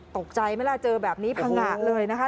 ตกใจไหมล่ะเจอแบบนี้พังงะเลยนะคะ